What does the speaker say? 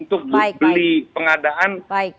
untuk beli pengadaan